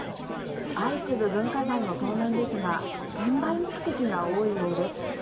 相次ぐ文化財の盗難ですが転売目的が多いようです。